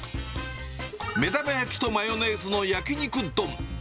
目玉焼きとマヨネーズの焼肉丼。